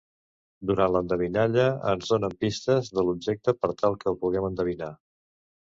Durant l'endevinalla, ens donen pistes de l'objecte per tal que el puguem endevinar.